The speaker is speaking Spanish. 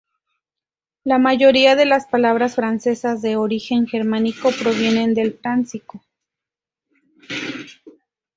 La mayoría de las palabras francesas de origen germánico provienen del fráncico.